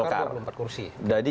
golkar dengan dua puluh empat kursi